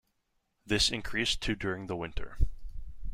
This increased to during the winter.